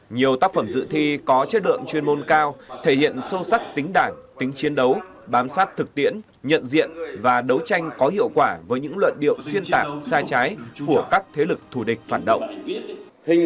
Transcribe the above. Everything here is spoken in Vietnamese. nhiều tác phẩm dự thi có chất lượng chuyên môn cao thể hiện sâu sắc tính đảng tính chiến đấu bám sát thực tiễn nhận diện và đấu tranh có hiệu quả với những luận điệu xuyên tạc sai trái của các thế lực thù địch phản động